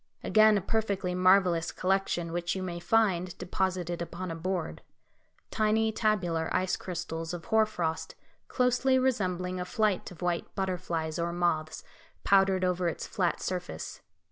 Again a perfectly marvellous collection which you may find deposited upon a board; tiny tabular ice crystals of hoar frost closely resembling a flight of white butterflies or moths powdered over its flat surface.